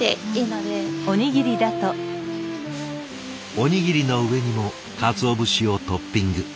おにぎりの上にも鰹節をトッピング。